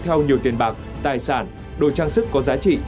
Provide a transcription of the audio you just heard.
theo nhiều tiền bạc tài sản đồ trang sức có giá trị